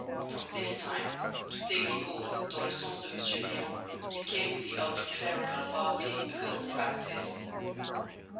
From this time to take the oath "dans le sens de M. Méan" became with the ultra clerical party a common practice.